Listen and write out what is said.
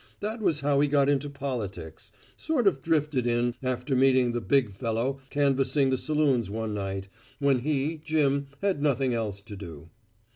That was how he got into politics sort of drifted in after meeting the big fellow canvassing the saloons one night, when he, Jim, had nothing else to do.